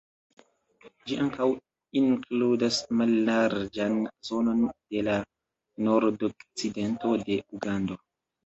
Ĝi ankaŭ inkludas mallarĝan zonon de la nordokcidento de Ugando.